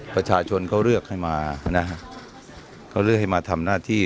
ประชาชนเขาเลือกให้มานะฮะเขาเลือกให้มาทำหน้าที่